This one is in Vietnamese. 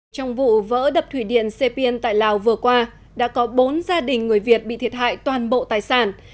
trong vụ vỡ đập thủy điện sepien tại lào vừa qua đã có bốn gia đình người việt bị thiệt hại toàn bộ tài sản